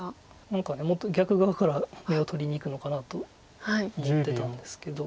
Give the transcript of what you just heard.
何かもっと逆側から眼を取りにいくのかなと思ってたんですけど。